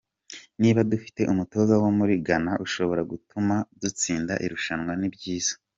Niba dufite umutoza wo muri Ghana ushobora gutuma dutsinda irushanwa, ni byiza.